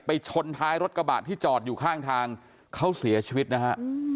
ชนท้ายรถกระบะที่จอดอยู่ข้างทางเขาเสียชีวิตนะฮะ